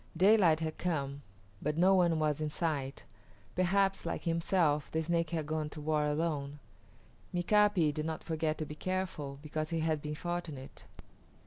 Daylight had come, but no one was in sight. Perhaps, like himself, the Snake had gone to war alone. Mika´pi did not forget to be careful because he had been fortunate.